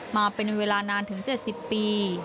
มาเป็นเวลานานถึง๗๐ปี